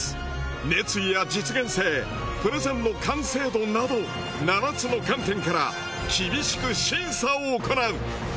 熱意や実現性プレゼンの完成度など７つの観点から厳しく審査を行う。